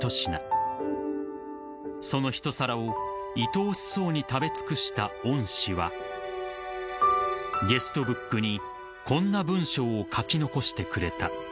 ［その一皿をいとおしそうに食べ尽くした恩師はゲストブックにこんな文章を書き残してくれた］